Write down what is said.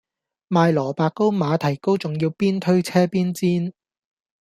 賣蘿蔔糕馬蹄糕仲要邊推車邊煎